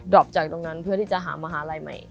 รอบจากตรงนั้นเพื่อที่จะหามหาลัยใหม่